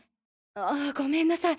ああごめんなさい。